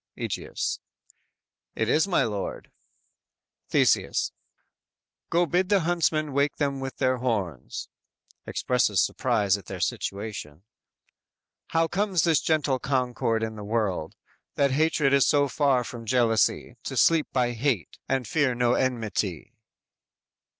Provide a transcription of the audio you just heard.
"_ Egeus: "It is, my lord." Theseus: "Go bid the huntsmen wake them with their horns. (Expresses surprise at their situation.) _How comes this gentle concord in the world, That hatred is so far from jealousy, To sleep by hate, and fear no enmity."